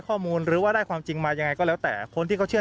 หรือว่าได้ความจริงมายังไงก็แล้วแต่คนที่เขาเชื่อ